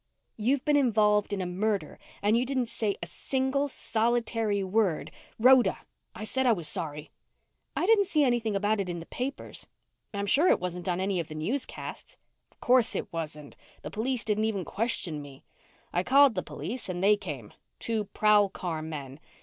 "You've been involved in a murder and you didn't say a single, solitary word " "Rhoda! I said I was sorry." "I didn't see anything about it in the papers. I'm sure it wasn't on any of the newscasts." "Of course, it wasn't. The police didn't even question me. I called the police and they came two prowl car men.